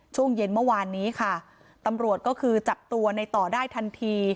ช่วงเย็นเมื่อวานนี้ค่ะตำรวจก็คือจับตัวในต่อได้ทันที